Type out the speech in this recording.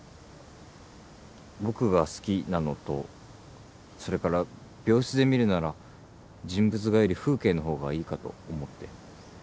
僕が好きなのとそれから病室で見るなら人物画より風景の方がいいかと思って。